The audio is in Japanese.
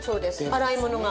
洗い物が。